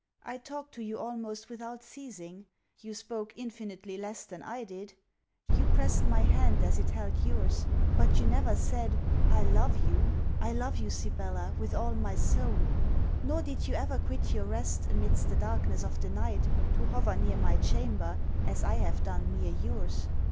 I talked to you almost without ceasing. You spoke infinitely less than I did. You pressed my hand as it held yours: but you never said, I love you! I love you, Sibella, with all my soul. Nor did you ever quit your rest, amidst the darkness of the night, to hover near my chamber, as I have done near yours.